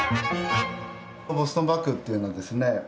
ボストンバッグっていうのはですね